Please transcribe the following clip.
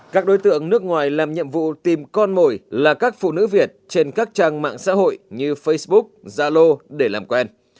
các đối tượng nước ngoài làm nhiệm vụ tìm con mồi là các phụ nữ việt trên các trang mạng xã hội như facebook zalo để làm quen